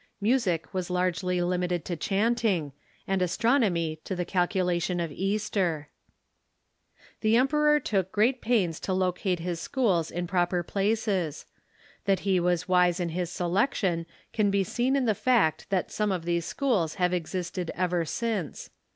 Music was largely limited to chanting, and astronomy to the calcula tion of Easter. The emperor took great pains to locate his schools in proper THE SCHOOLS OF CHARLEMAGNE 121 places. That he was wise in his selection can be seen in the fact that some of these schools have existed ever since.